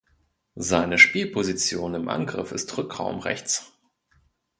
Seine Spielposition im Angriff ist Rückraum rechts.